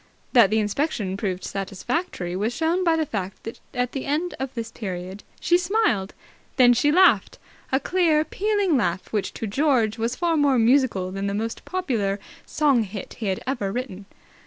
That the inspection proved satisfactory was shown by the fact that at the end of this period she smiled. Then she laughed, a clear pealing laugh which to George was far more musical than the most popular song hit he had ever written.